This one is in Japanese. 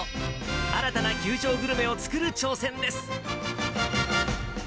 新たな球場グルメを作る挑戦です。